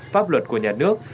pháp luật của nhà nước